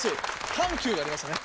緩急がありましたね。